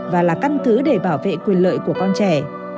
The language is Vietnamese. và là căn cứ để bảo vệ quyền lợi của con trẻ